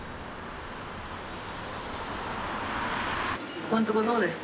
ここんとこどうですか？